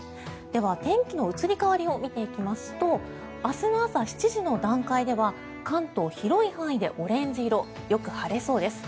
では、天気の移り変わりを見ていきますと明日の朝７時の段階では関東広い範囲でオレンジ色よく晴れそうです。